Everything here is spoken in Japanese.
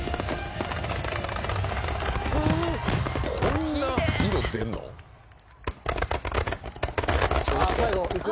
こんな色出んの⁉最後いく？